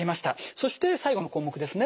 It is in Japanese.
そして最後の項目ですね。